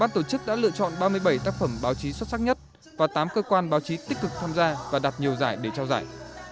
tổ chức đã lựa chọn ba mươi bảy tác phẩm báo chí xuất sắc nhất và tám cơ quan báo chí tích cực tham gia và đặt nhiều giải để trao giải